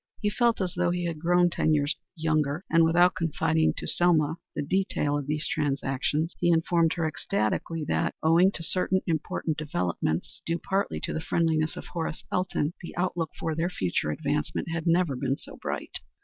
He felt as though he had grown ten years younger, and without confiding to Selma the details of these transactions he informed her ecstatically that, owing to certain important developments, due partly to the friendliness of Horace Elton, the outlook for their future advancement had never been so bright.